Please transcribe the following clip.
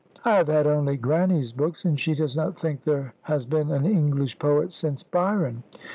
"I have had only Grannie's books, and she does not think there has been an English poet since Byron.